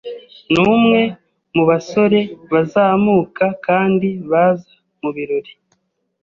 Ni umwe mu basore bazamuka kandi baza mu birori.